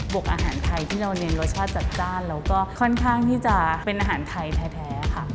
วกอาหารไทยที่เราเน้นรสชาติจัดจ้านแล้วก็ค่อนข้างที่จะเป็นอาหารไทยแท้ค่ะ